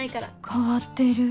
変わってる